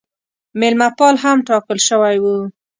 مېلمه پال هم ټاکل سوی وو.